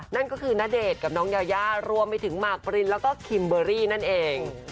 นั่นก็คือณเดชน์กับน้องยายารวมไปถึงหมากปรินแล้วก็คิมเบอรี่นั่นเอง